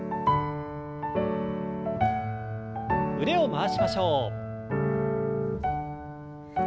腕を回しましょう。